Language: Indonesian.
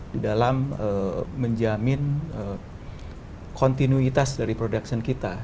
di dalam menjamin kontinuitas dari production kita